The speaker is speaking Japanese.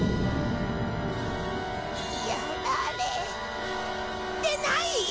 やられてない！？